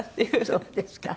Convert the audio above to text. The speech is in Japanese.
そうですか。